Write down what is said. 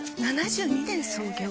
７２年創業